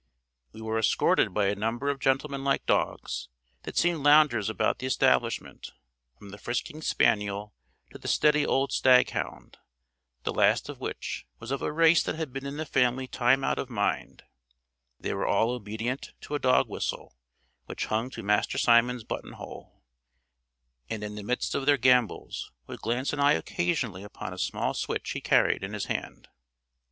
We were escorted by a number of gentlemen like dogs, that seemed loungers about the establishment; from the frisking spaniel to the steady old stag hound; the last of which was of a race that had been in the family time out of mind: they were all obedient to a dog whistle which hung to Master Simon's button hole, and in the midst of their gambols would glance an eye occasionally upon a small switch he carried in his hand.